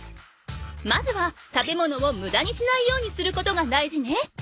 まずは食べ物をむだにしないようにすることが大事ね。